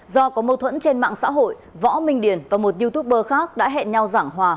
do có mâu thuẫn trên mạng xã hội võ minh điền và một youtuber khác đã hẹn nhau giảng hòa